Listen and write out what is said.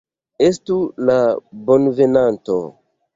Estu la bonvenanto!